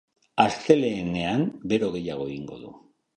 Astelehenean bero gehiago egingo du.